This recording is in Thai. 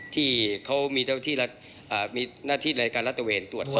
ที่เขามีหน้าที่ในการรัฐตะเวนตรวจสอบ